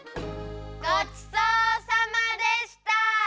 ごちそうさまでした！